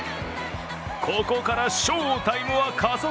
ここから翔タイムは加速。